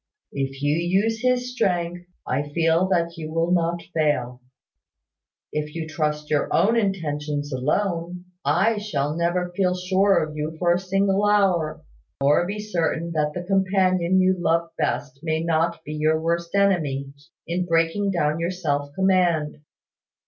If you use His strength, I feel that you will not fail. If you trust your own intentions alone, I shall never feel sure of you for a single hour, nor be certain that the companion you love best may not be your worst enemy, in breaking down your self command.